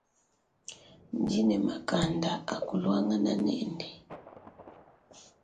Ndi ni makanda akuluangana nende.